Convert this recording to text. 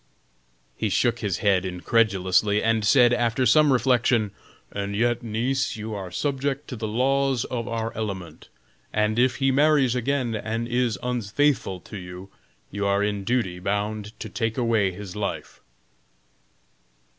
He shook his head incredulously, and said, after some reflection: "And yet, niece, you are subject to the laws of our element, and if he marries again and is unfaithful to you, you are in duty bound to take away his life."